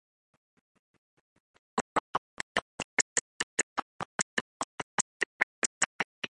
Overall, the healthcare system is a complex and multifaceted part of society.